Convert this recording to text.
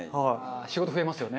仕事増えますよね。